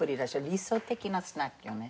理想的なスナックよね。